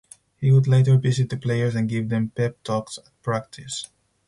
He would later visit the players and give them "pep" talks at practice.